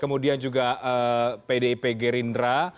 kemudian juga pdip gerindra